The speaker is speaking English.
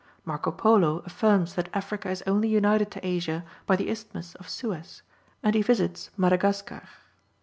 Marco Polo affirms that Africa is only united to Asia by the Isthmus of Suez, and he visits Madagascar.